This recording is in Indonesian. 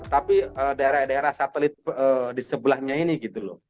tapi daerah daerah satelit di sebelahnya ini gitu loh